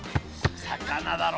魚だろ？